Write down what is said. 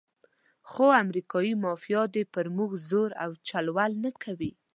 خو امریکایي مافیا دې پر موږ زور او چل ول نه کوي.